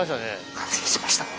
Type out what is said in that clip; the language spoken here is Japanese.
完成しました。